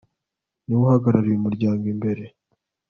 ni we uhagarariye umuryango imbere